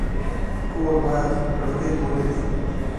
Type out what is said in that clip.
کور باید کړکۍ ولري